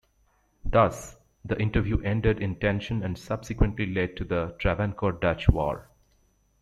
Thus, the interview ended in tension and subsequently led to the Travancore-Dutch War.